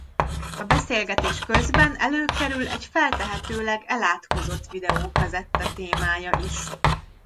A beszélgetés közben előkerül egy feltehetőleg elátkozott videókazetta témája is.